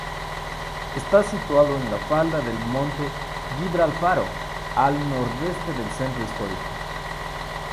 Está situado en la falda del Monte Gibralfaro, al nordeste del centro histórico.